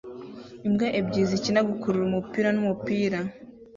Imbwa ebyiri zikina gukurura-umupira n'umupira